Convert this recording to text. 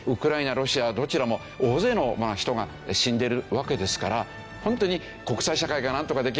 ロシアどちらも大勢の人が死んでるわけですからホントに国際社会がなんとかできないのか？